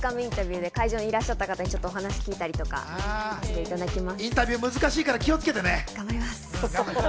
ウエルカムインタビューで会場にいらっしゃった方にお話を聞いたりとか、させていただきます。